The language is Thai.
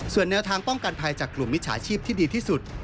ส่วนแนวทางป้องกันภัยจากกลุ่มมิจฉาชีพที่ดีที่สุด